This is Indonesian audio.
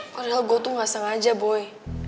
padahal gue tuh gak sengaja boy